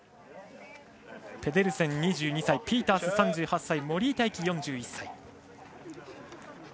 ペデルセン、２２歳ピータース、３８歳森井大輝、４１歳。